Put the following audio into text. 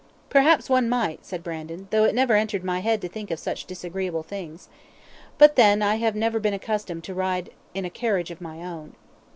"Perhaps one might," said Brandon, "though it never entered my head to think of such disagreeable things. But then I have never been accustomed to ride in a carriage of my own.